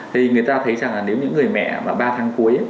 thì người ta thấy rằng là nếu những người mẹ mà ba tháng cuối